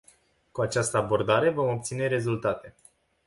Cu această abordare, vom obține rezultate.